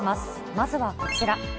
まずはこちら。